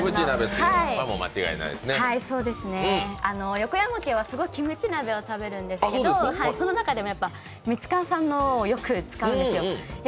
横山家はすごくキムチ鍋を食べるんですけどその中でもミツカンさんのをよく使うんですよ。